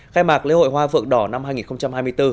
khai mạc lễ hội hoa vượng đỏ năm hai nghìn hai mươi bốn